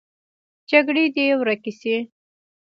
جګړې دې ورکې شي